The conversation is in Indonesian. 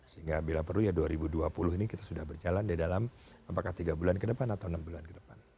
sehingga bila perlu ya dua ribu dua puluh ini kita sudah berjalan di dalam apakah tiga bulan ke depan atau enam bulan ke depan